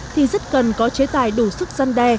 thì rất cần có chế tài đủ sức gian đe